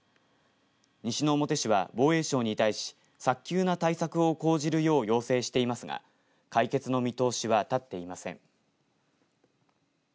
西之表市は防衛省に対し早急な対策を講じるよう要請していますが解決の見通しは立っていません。